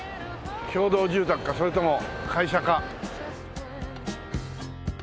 共同住宅かそれとも会社か。